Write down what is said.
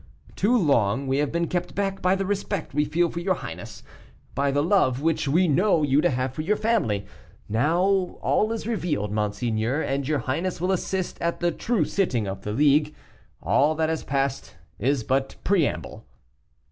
Too long we have been kept back by the respect we feel for your highness, by the love which we know you to have for your family. Now, all is revealed, monseigneur, and your highness will assist at the true sitting of the League. All that has passed is but preamble."